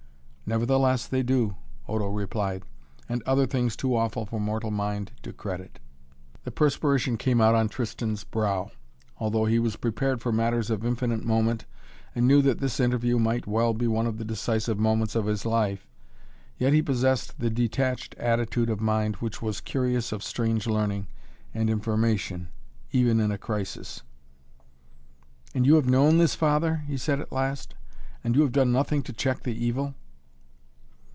"Nevertheless they do," Odo replied, "and other things too awful for mortal mind to credit." The perspiration came out on Tristan's brow. Although he was prepared for matters of infinite moment and knew that this interview might well be one of the decisive moments of his life, he yet possessed the detached attitude of mind which was curious of strange learning and information, even in a crisis. "And you have known this, Father?" he said at last, "and you have done nothing to check the evil?"